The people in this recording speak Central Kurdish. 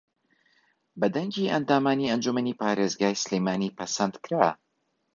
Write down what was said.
بە دەنگی ئەندامانی ئەنجوومەنی پارێزگای سلێمانی پەسەندکرا